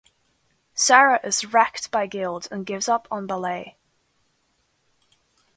Sara is wracked by guilt and gives up on ballet.